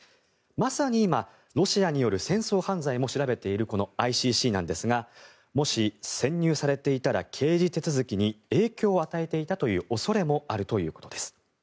まさに今、ロシアによる戦争犯罪も調べているこのＩＣＣなんですがもし潜入されていたら刑事手続きに影響を与えていたという恐れもあるということです。